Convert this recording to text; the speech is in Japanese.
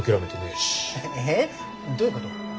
えどういうこと？